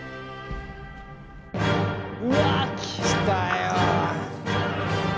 うわ来たよ。